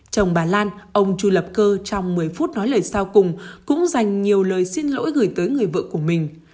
chồng bà lan ông chu lập cơ trong một mươi phút nói lời sau cùng cũng dành nhiều lời xin lỗi gửi tới người vợ của mình